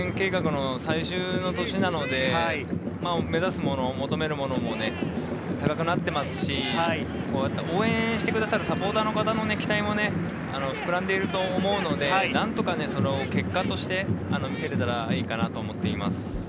３年計画の最終の年なので、目指すもの、求めるものも高くなってますし、応援してくださるサポーターの方の期待も膨らんでいると思うので、何とかその結果として見せれたらいいかなと思っています。